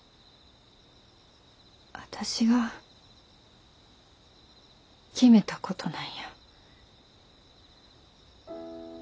私が決めたことなんや。